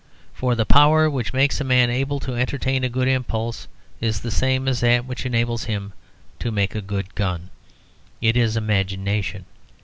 For the power which makes a man able to entertain a good impulse is the same as that which enables him to make a good gun; it is imagination.